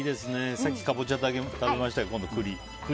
さっき、カボチャ食べましたけど今度、栗。